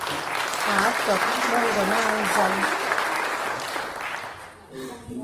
Mə à tɔk bə ǹgɔ̀n à nzàl.